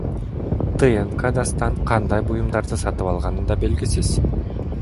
ТНК Дастан кандай буюмдарды сатып алганы да белгисиз.